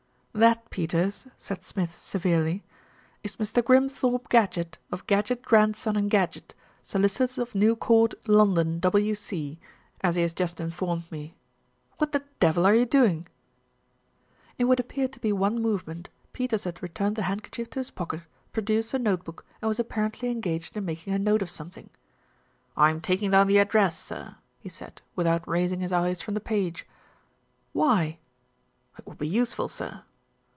"That, Peters," said Smith severely, "is Mr. Grim thorpe Gadgett, of Gadgett, Grandson and Gadgett, solicitors of New Court, London, W.C., as he has just informed me. What the devil are you doing?" MR. GADGETT PAYS A CALL 255 In what appeared to be one movement, Peters had returned the handkerchief to his pocket, produced a notebook, and was apparently engaged in making a note of something. "I am taking down the address, sir," he said, with out raising his eyes from the page. "Why?" "It will be useful, sir."